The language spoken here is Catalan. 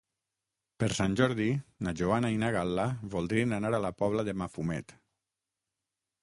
Per Sant Jordi na Joana i na Gal·la voldrien anar a la Pobla de Mafumet.